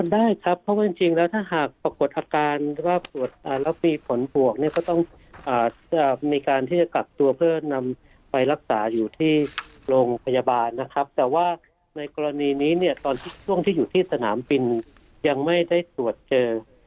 ได้ครับเพราะว่าจริงแล้วถ้าหากปรากฏอาการว่าตรวจแล้วมีผลบวกเนี่ยก็ต้องจะมีการที่จะกักตัวเพื่อนำไปรักษาอยู่ที่โรงพยาบาลนะครับแต่ว่าในกรณีนี้เนี่ยตอนช่วงที่อยู่ที่สนามบินยังไม่ได้ตรวจเจอ